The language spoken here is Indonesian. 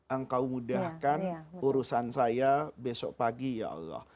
engkau mudahkan urusan saya besok pagi ya allah